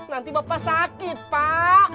nanti bapak sakit pak